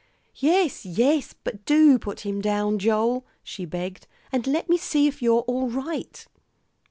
"Yes yes, but do put him down, Joel," she begged, "and let me see if you're all right."